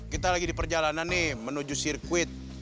kita lagi di perjalanan nih menuju sirkuit